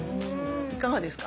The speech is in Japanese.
いかがですか。